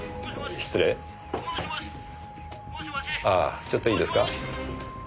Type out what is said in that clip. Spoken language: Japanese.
ああちょっといいですか。